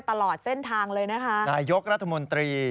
ชุดเท่ด้วยนะชุดเท่